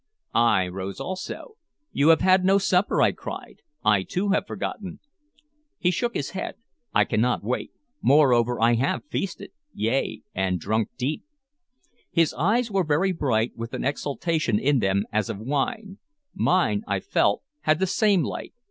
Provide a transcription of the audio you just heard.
I rose, also. "You have had no supper!" I cried. "I too have forgotten." He shook his head. "I cannot wait. Moreover, I have feasted, yea, and drunk deep." His eyes were very bright, with an exaltation in them as of wine. Mine, I felt, had the same light.